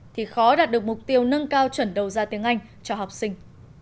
thì khó đạt được mục tiêu nâng cao chuẩn đầu ra tiếng anh cho học sinh